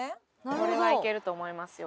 これはいけると思いますよ